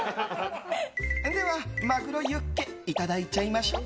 では、マグロユッケいただいちゃいましょう！